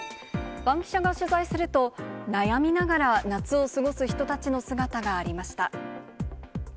バンキシャが取材すると、悩みながら夏を過ごす人たちの姿がありました。